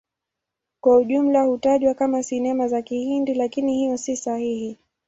Kwa ujumla hutajwa kama Sinema za Kihindi, lakini hiyo si sahihi.